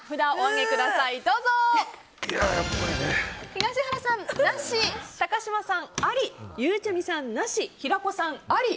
東原さん、なし高嶋さん、ありゆうちゃみさん、なし平子さん、あり。